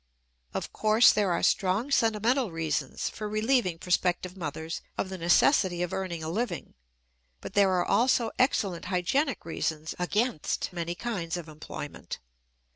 Of course there are strong sentimental reasons for relieving prospective mothers of the necessity of earning a living, but there are also excellent hygienic reasons against many kinds of employment.